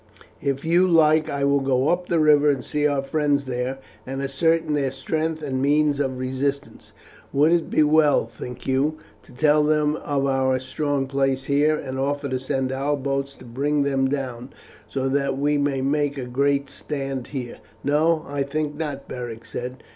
If you like I will go up the river and see our friends there, and ascertain their strength and means of resistance. Would it be well, think you, to tell them of our strong place here and offer to send our boats to bring them down, so that we may make a great stand here?" "No, I think not," Beric said.